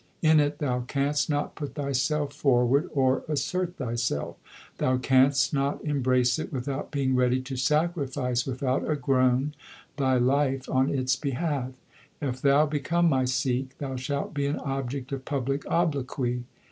In it thou canst not put thyself forward or assert thyself. Thou canst not embrace it without being ready to sacrifice without a groan thy life on its behalf. If thou become my Sikh, thou shalt be an object of public obloquy.